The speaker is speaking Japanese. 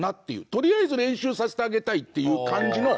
とりあえず練習させてあげたいっていう感じの。